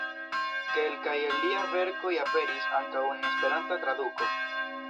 Kelkaj el liaj verkoj aperis ankaŭ en Esperanta traduko.